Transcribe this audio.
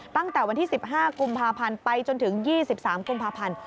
ตั้งแต่วันที่๑๕กุมภาพันธ์ไปจนถึง๒๓กุมภาพันธ์